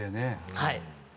はい。